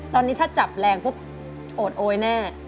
ตอนนี้ถ้าจับแรงปุ๊บโอดโอยแน่